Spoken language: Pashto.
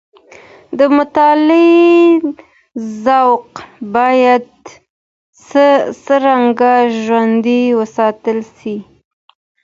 د مطالعې ذوق باید څنګه ژوندی وساتل سي؟